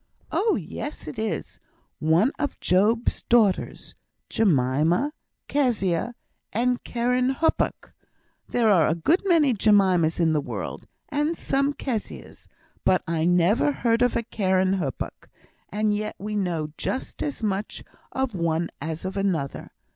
"Oh yes, it is. One of Job's daughters; Jemima, Kezia, and Keren Happuch. There are a good many Jemimas in the world, and some Kezias, but I never heard of a Keren Happuch; and yet we know just as much of one as of another.